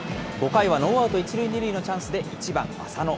５回はノーアウト１塁２塁のチャンスで、１番浅野。